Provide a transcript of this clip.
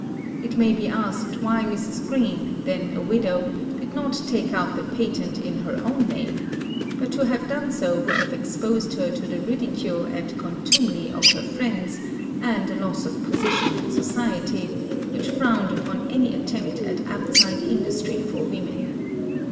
It may be asked why Mrs. Greene, then a widow, did not take out the patent in her own name; but to have done so would have exposed her to the ridicule and contumely of her friends and a loss of position in society, which frowned upon any attempt at outside industry for woman.